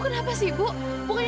ketika kecil kau bakal